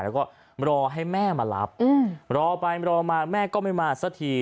แล้วก็รอให้แม่มารับรอไปรอมาแม่ก็ไม่มาสักที